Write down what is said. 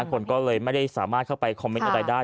คนก็เลยไม่ได้สามารถเข้าไปคอมเมนต์อะไรได้